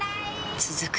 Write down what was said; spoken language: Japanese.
続く